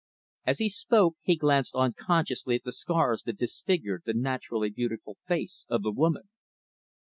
As he spoke he glanced unconsciously at the scars that disfigured the naturally beautiful face of the woman.